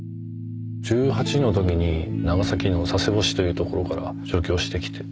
１８のときに長崎の佐世保市という所から上京してきて。